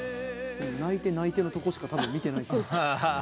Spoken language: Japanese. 「泣いて泣いて」のとこしか多分見てない。